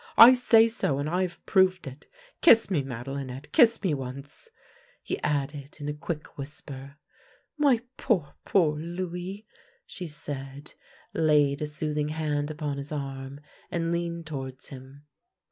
I say so, and I have proved it. Kiss me, Madelinette, kiss me once !" he added in a quick whisper. " My poor, poor Louis! " she said, laid a soothing hand upon his arm, and leaned towards him.